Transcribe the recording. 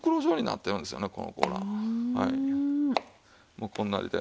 もうこんなりで。